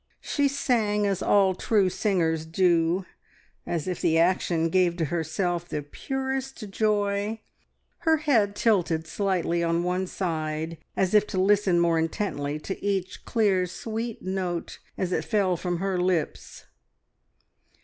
She sang as all true singers do as if the action gave to herself the purest joy, her head tilted slightly on one side, as if to listen more intently to each clear, sweet note as it fell from her lips.